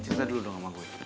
cerita dulu dong sama gue